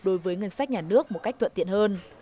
đối với ngân sách nhà nước một cách thuận tiện hơn